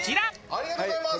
ありがとうございます！